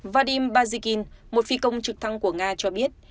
vadim bazikin một phi công trực thăng của nga cho biết